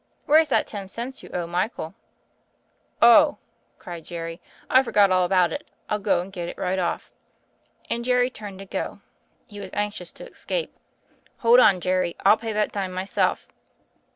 "Where's that ten cents you owe Michael?" "Ohl" cried Jerry, "I forgot all about it. I'll go and get it right off." And Jerry turned to go : he was anxious to escape. "Hold on, Jerry: I'll pay that dime myself.